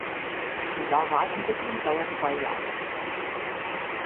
Die Larvalentwicklung dauert zwei Jahre.